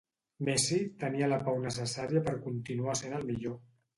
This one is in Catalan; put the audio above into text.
Messi tenia la pau necessària per continuar sent el millor.